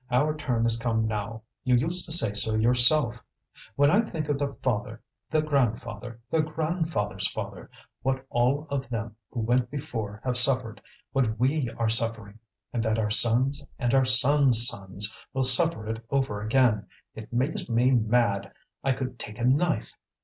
Our turn is come now; you used to say so yourself. When I think of the father, the grandfather, the grandfather's father, what all of them who went before have suffered, what we are suffering, and that our sons and our sons' sons will suffer it over again, it makes me mad I could take a knife.